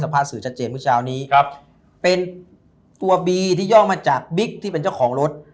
สื่อชัดเจนพุทธชาวนี้เป็นตัวบีที่ย่อมาจากบิ๊กที่เป็นเจ้าของรถ